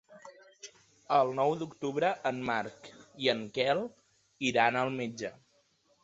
El nou d'octubre en Marc i en Quel iran al metge.